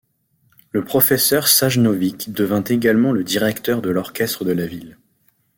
Le professeur Šajnović devint également le directeur de l'orchestre de la Ville.